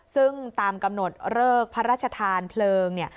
ซึ่งตามกำหนดเลิกพระราชทานเพลิงเนี่ย